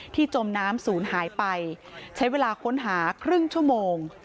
จมน้ำศูนย์หายไปใช้เวลาค้นหาครึ่งชั่วโมง